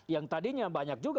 yang tadinya banyak juga